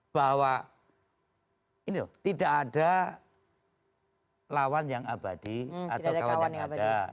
bahwa ini loh tidak ada lawan yang abadi atau kawan yang ada